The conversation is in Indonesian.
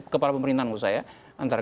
kepala pemerintahan menurut saya antara